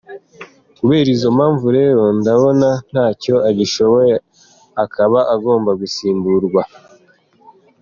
Kubera izo mpamvu rero ndabona ntacyo agishoboye, akaba agomba gusimburwa.